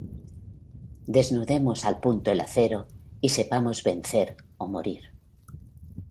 desnudemos al punto el acero y sepamos vencer o morir.